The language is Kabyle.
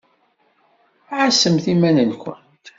Ɛassemt iman-nkent.